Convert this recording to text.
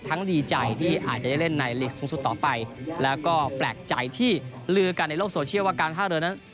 ดีใจที่อาจจะได้เล่นในลีกสูงสุดต่อไปแล้วก็แปลกใจที่ลือกันในโลกโซเชียลว่าการท่าเรือนั้น